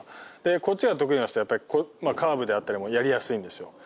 こっちが得意の人はカーブもやりやすいんですよ。